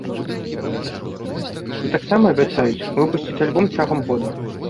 І таксама абяцаюць выпусціць альбом цягам года.